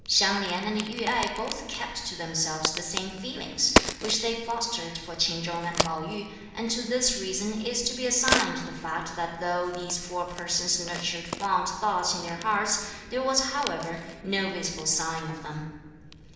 Hsiang Lin and Yü Ai both kept to themselves the same feelings, which they fostered for Ch'in Chung and Pao yü, and to this reason is to be assigned the fact that though these four persons nurtured fond thoughts in their hearts there was however no visible sign of them.